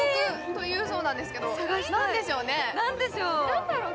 何だろう？